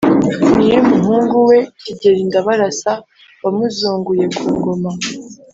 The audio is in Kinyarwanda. n’iy’umuhungu we Kigeli Ndabarasa wamuzunguye ku ngoma.